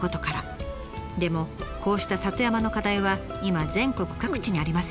でもこうした里山の課題は今全国各地にありますよね。